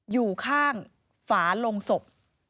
อยู่ข้างฝาลงศพ